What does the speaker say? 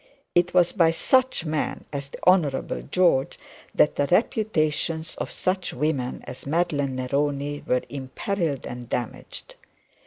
It was by such men as the Honourable George that the reputation of such women as Madeline Neroni were imperilled and damaged.